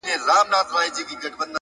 لوړ همت د محدودو شرایطو بندیوان نه وي؛